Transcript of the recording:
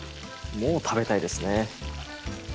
もう食べたいですね。